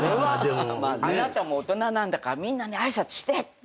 あなたも大人なんだからみんなに挨拶して！とか言って。